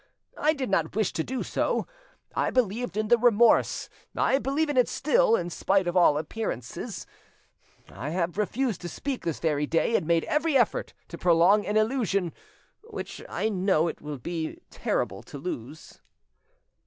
I did not wish to do so. I believed in the remorse; I believe in it still, in spite of all appearances; I have refused to speak this very day, and made every effort to prolong an illusion which I know it will be terrible to lose."